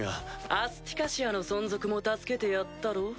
アスティカシアの存続も助けてやったろ。